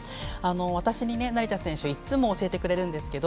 私に成田選手いつも教えてくれるんですけど